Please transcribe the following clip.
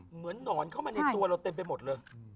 เหมือนหนอนเข้ามาในตัวเราเต็มไปหมดเลย